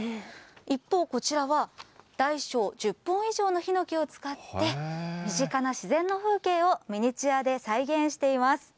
一方、こちらは大小１０本以上のヒノキを使って、身近な自然の風景をミニチュアで再現しています。